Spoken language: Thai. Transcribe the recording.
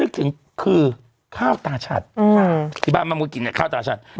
ถึงคือข้าวตาฉัดที่บ้านมะม่วงกินเนี่ยข้าวตาชัด